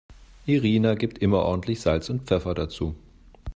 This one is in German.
Irina gibt immer ordentlich Salz und Pfeffer dazu.